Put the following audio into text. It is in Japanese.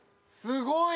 すごい！